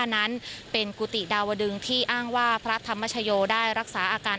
นั้นเป็นกุฏิดาวดึงที่อ้างว่าพระธรรมชโยได้รักษาอาการ